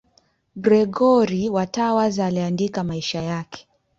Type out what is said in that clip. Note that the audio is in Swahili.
Gregori wa Tours aliandika maisha yake.